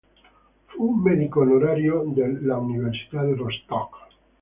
Fu medico onorario dell'Università di Rostock.